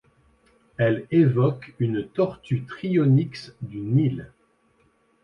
Elle évoque une tortue Trionyx du Nil.